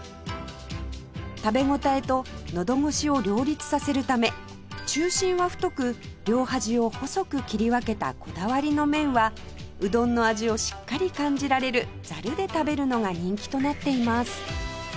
食べ応えとのど越しを両立させるため中心は太く両端を細く切り分けたこだわりの麺はうどんの味をしっかり感じられるざるで食べるのが人気となっています